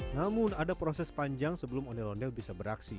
namun ada proses panjang sebelum ondel ondel bisa beraksi